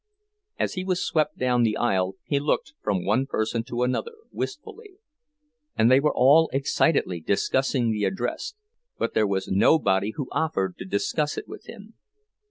As he was swept down the aisle he looked from one person to another, wistfully; they were all excitedly discussing the address—but there was nobody who offered to discuss it with him.